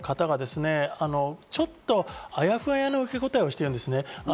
そしてトップの方がちょっとあやふやな受け答えをしているんですね。